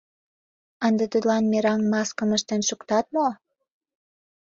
Ынде тудлан мераҥ маскым ыштен шуктат мо?